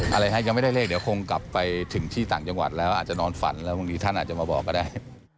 อะไรฮะยังไม่ได้เลขเดี๋ยวคงกลับไปถึงที่ต่างจังหวัดแล้วอาจจะนอนฝันแล้วพรุ่งนี้ท่านอาจจะมาบอกก็ได้